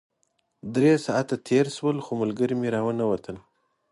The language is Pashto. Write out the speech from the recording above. درې ساعته تېر شول خو ملګري مې راونه وتل.